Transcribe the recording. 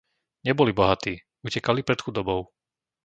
Neboli bohatí. Utekali pred chudobou.